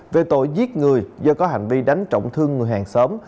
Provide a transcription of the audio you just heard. về tội giết người do có hành vi đánh trọng thương người hàng xóm